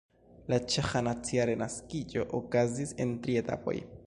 La ĉeĥa nacia renaskiĝo okazis en tri etapoj.